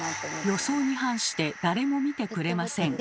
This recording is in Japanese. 予想に反して誰も見てくれません。